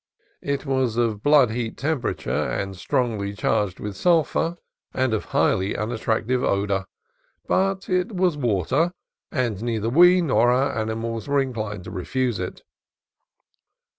It was of blood heat temperature, strongly charged with sul phur, and of highly unattractive odor: but it was water, and neither we nor our animals were inclined to refuse it.